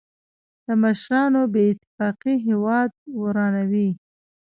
د مشرانو بې اتفاقي هېواد ورانوي.